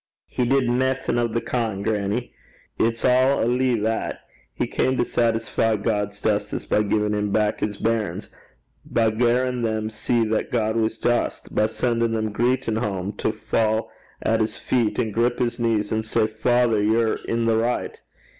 'He did naething o' the kin', grannie. It's a' a lee that. He cam to saitisfee God's justice by giein' him back his bairns; by garrin' them see that God was just; by sendin' them greetin' hame to fa' at his feet, an' grip his knees an' say, "Father, ye're i' the richt."